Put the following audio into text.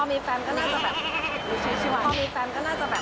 พอมีแฟมก็น่าจะแบบ